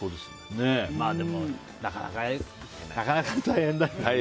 でも、なかなか大変だけどね。